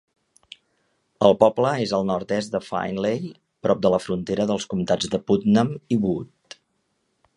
El poble és al nord-est de Findlay, prop de la frontera dels comtats de Putnam i Wood.